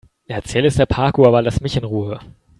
Erzähl es der Parkuhr, aber lass mich in Ruhe.